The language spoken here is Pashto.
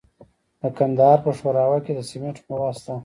د کندهار په شورابک کې د سمنټو مواد شته.